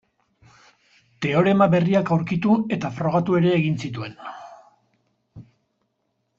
Teorema berriak aurkitu eta frogatu ere egin zituen.